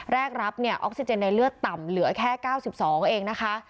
แรกรับเนี่ยออกซิเจนในเลือดต่ำเหลือแค่๙๒เองนะคะ